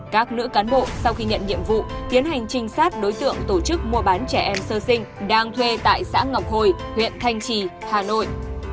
các nữ cán bộ sau khi nhận nhiệm vụ tiến hành trinh sát đối tượng tổ chức mua bán trẻ em sơ sinh đang thuê tại xã ngọc hồi huyện thanh trì hà nội